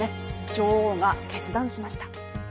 女王が決断しました。